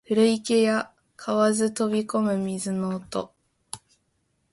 古池や蛙飛び込む水の音